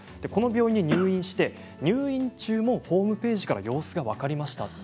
この病院に入院して入院中もホームページから様子が分かりました。